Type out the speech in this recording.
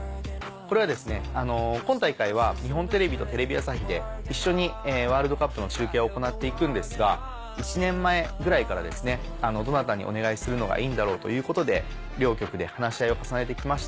これは今大会は日本テレビとテレビ朝日で一緒にワールドカップの中継を行っていくんですが１年前ぐらいからどなたにお願いするのがいいんだろうということで両局で話し合いを重ねてきまして。